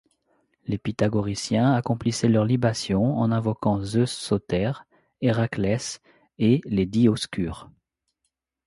Les pythagoriciens accomplissaient leurs libations en invoquant Zeus Sôter, Héraclès et les Dioscures.